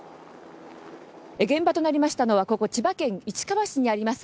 現場となりましたのはここ千葉県市川市にあります